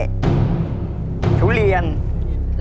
แล้วภาพไหนคือมะม่วงสุกครับลุง